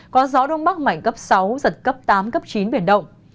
có gió đông bắc mạnh cấp sáu giật cấp tám cấp chín biển động